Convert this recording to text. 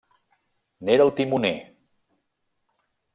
N'era el timoner.